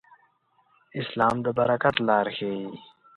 اسلام د برکت لار ښيي.